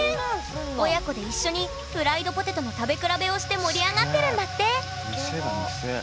親子で一緒にフライドポテトの食べ比べをして盛り上がってるんだってすげえ。